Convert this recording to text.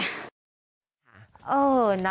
เออนะ